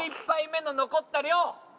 １１杯目の残った量。